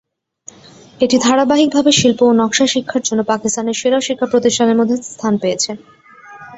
এটি ধারাবাহিকভাবে শিল্প ও নকশা শিক্ষার জন্য পাকিস্তানের সেরা শিক্ষাপ্রতিষ্ঠানের মধ্যে স্থান পেয়েছে।